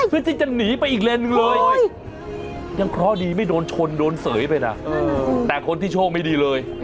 เพื่อที่จะหนีไปอีกเลนหนึ่งเลยยังเคราะห์ดีไม่โดนชนโดนเสยไปนะแต่คนที่โชคไม่ดีเลย